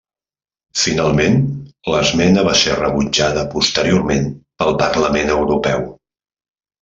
Finalment, l'esmena va ser rebutjada posteriorment pel Parlament Europeu.